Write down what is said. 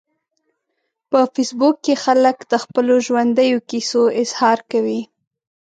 په فېسبوک کې خلک د خپلو ژوندیو کیسو اظهار کوي